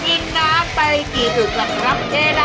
กินน้ำไปกี่อึกล่ะครับ